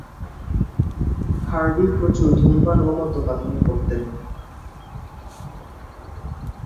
Harvey প্রচুর ধূমপান ও মদ্যপান করতেন।